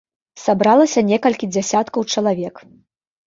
Сабралася некалькі дзясяткаў чалавек.